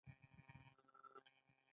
رښتیا ویل زړورتیا ده